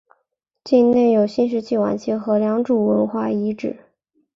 境内有新石器晚期和良渚文化遗址。